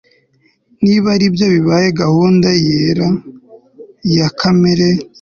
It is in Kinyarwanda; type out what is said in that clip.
Niba aribyo bibaye gahunda yera ya Kamere